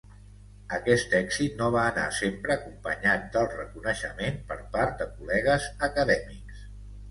Aquest èxit no va anar sempre acompanyat del reconeixement per part de col·legues acadèmics.